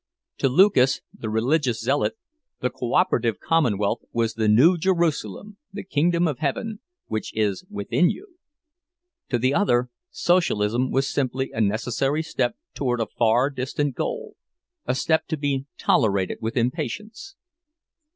To Lucas, the religious zealot, the co operative commonwealth was the New Jerusalem, the kingdom of Heaven, which is "within you." To the other, Socialism was simply a necessary step toward a far distant goal, a step to be tolerated with impatience.